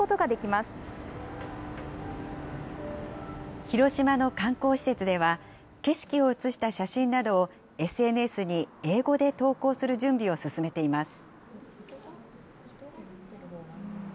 ま広島の観光施設では、景色を写した写真などをＳＮＳに英語で投稿する準備を進めています。